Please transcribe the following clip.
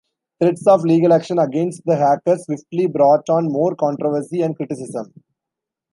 Threats of legal action against the hackers swiftly brought on more controversy and criticism.